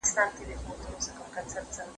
ايا سوکالي د پرله پسې هڅو او کار پايله ده؟